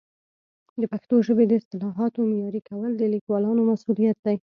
د پښتو ژبې د اصطلاحاتو معیاري کول د لیکوالانو مسؤلیت دی.